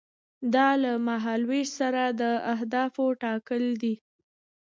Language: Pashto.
دا له مهال ویش سره د اهدافو ټاکل دي.